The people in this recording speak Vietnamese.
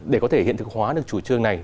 để có thể hiện thực hóa được chủ trương này